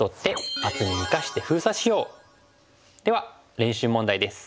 では練習問題です。